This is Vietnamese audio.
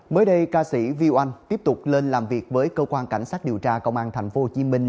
mới đây ca sĩ viu anh tiếp tục lên làm việc với cơ quan cảnh sát điều tra công an thành phố hồ chí minh